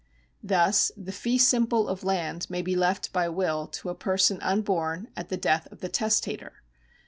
Thus the fee simple of land may be left by will to a person unborn at the death of the testator.